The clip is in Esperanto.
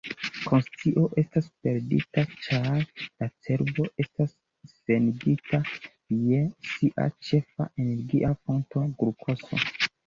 Konscio estas perdita ĉar la cerbo estas senigita je sia ĉefa energia fonto, glukozo.